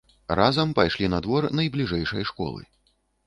Разам пайшлі на двор найбліжэйшай школы.